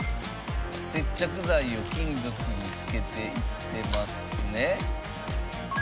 接着剤を金属につけていってますね。